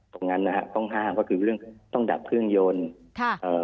ตรงนั้นนะฮะต้องห้ามก็คือเรื่องต้องดับเครื่องยนต์ค่ะเอ่อ